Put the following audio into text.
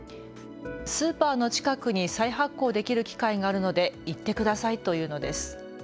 スーパーの近くに再発行できる機械があるので行ってくださいと言うのです。